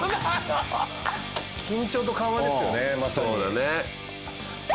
緊張と緩和ですよねまさに。